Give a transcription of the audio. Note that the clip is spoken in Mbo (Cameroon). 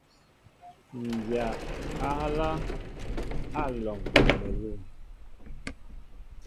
Ǹ dya á ehálā , Á alɔŋ kamelûn.